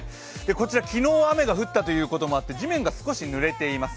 こちら、昨日、雨が降ったこともあって地面が少しぬれています。